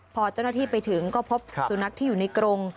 พอเจ้าหน้าที่ไปถึงก็พบสุนัขที่อยู่ในกรง